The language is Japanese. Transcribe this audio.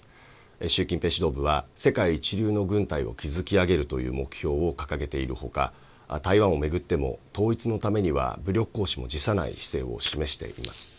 習近平指導部は、世界一流の軍隊を築き上げるという目標を掲げているほか、台湾を巡っても統一のためには武力行使も辞さない姿勢を示しています。